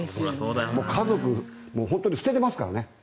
家族、本当に捨ててますからね。